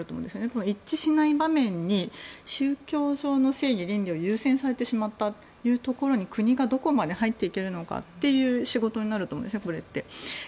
その一致しない場面に宗教上の正義、倫理を優先されてしまったら国がどこまで入っていけるのかという仕事になると思うんですね。